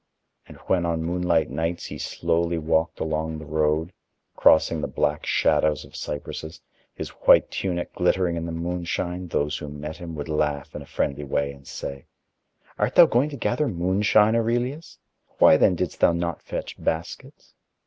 And when on moonlit nights he slowly walked along the road, crossing the black shadows of cypresses, his white tunic glittering in the moonshine, those who met him would laugh in a friendly way and say: "Art thou going to gather moonshine, Aurelius? Why then didst thou not fetch baskets?"